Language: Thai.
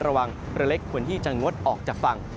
ระวังเรือเล็กควรที่จะงดออกจากฝั่ง